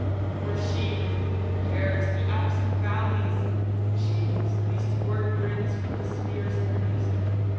i. For she , to whom compar'd , the Alpes are v allies, Klaius. She , whose lest word brings from the spheares their musique.